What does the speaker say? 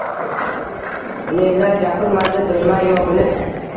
Nelar gapirmadi bilmay yo bilib